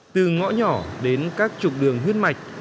từ ngõ nhỏ đến các trục đường huyết mạch